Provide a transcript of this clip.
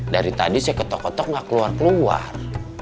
dari tadi saya ketok ketok gak keluar keluar